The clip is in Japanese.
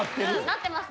なってます。